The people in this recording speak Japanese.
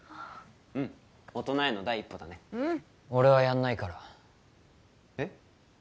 うん大人への第一歩だねうん俺はやんないからえっ？